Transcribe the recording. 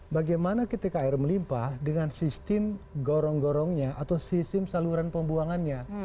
bagaimana ketika air melimpah dengan sistem gorong gorongnya atau sistem saluran pembuangannya